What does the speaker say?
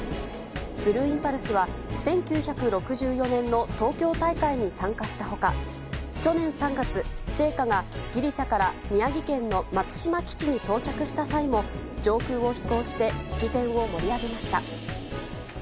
ブルーインパルスは１９６４年の東京大会に参加した他去年３月聖火がギリシャから宮城県の松島基地に到着した際も上空を飛行して式典を盛り上げました。